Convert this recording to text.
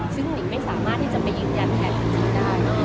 ซึ่งหนิงไม่สามารถที่จะไปยืนยันแทนจริงได้